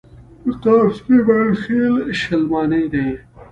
پۀ قام سليمان خيل، شلمانے دے ۔